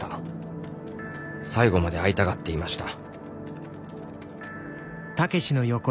最後まで会いたがっていました